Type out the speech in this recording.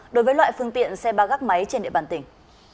đối với loại phương tiện xe ba gác máy trên địa bàn tỉnh